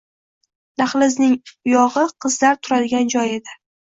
Dahlizning uyogʻi qizlar turadigan joy edi.